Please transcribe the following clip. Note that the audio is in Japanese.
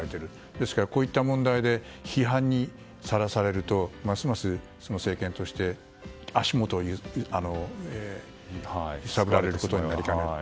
ですから、こういった問題で批判にさらされるとますます政権として足元を揺さぶられることになりかねない。